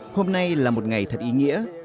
hôm nay là một ngày thật ý nghĩa